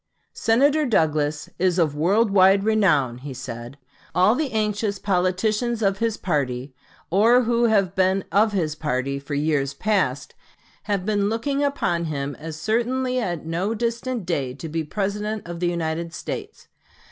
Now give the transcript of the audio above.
"Senator Douglas is of world wide renown," he said. "All the anxious politicians of his party, or who have been of his party for years past, have been looking upon him as certainly at no distant day to be the President of the United States.